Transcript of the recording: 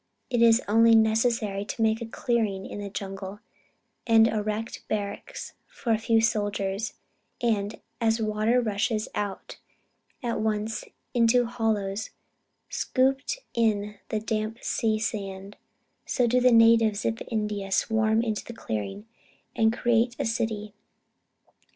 It is only necessary to make a clearing in the jungle, and erect barracks for a few soldiers, and as water rushes at once into hollows scooped in the damp sea sand so do the natives of India swarm into the clearing, and create a city.'